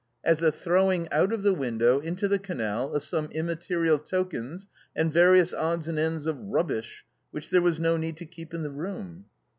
" As a throwing out of the window into the canal of some immaterial tokens and various odds and ends of rubbish which there was no need to keep in the room."